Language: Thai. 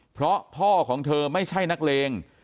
เพราะพ่อของเธอไม่ใช่นักเลง